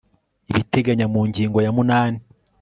ibiteganya mu ngingo ya munani